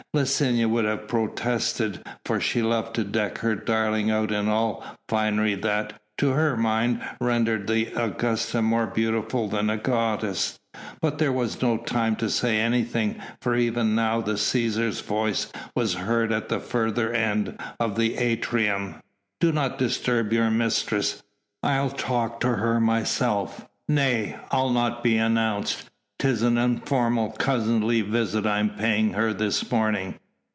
Licinia would have protested for she loved to deck her darling out in all the finery that, to her mind, rendered the Augusta more beautiful than a goddess, but there was no time to say anything for even now the Cæsar's voice was heard at the further end of the atrium. "Do not disturb your mistress. I'll to her myself. Nay! I'll not be announced. 'Tis an informal cousinly visit I am paying her this morning."